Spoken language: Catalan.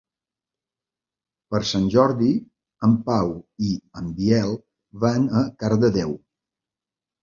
Per Sant Jordi en Pau i en Biel van a Cardedeu.